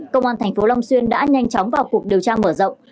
công an tp long xuyên đã nhanh chóng vào cuộc điều tra mở rộng